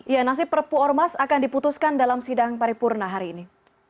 ya nasib perpu ormas akan diputuskan dalam sidang paripurna hari ini